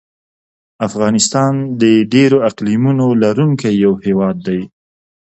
افغانستان د ډېرو اقلیمونو لرونکی یو هېواد دی.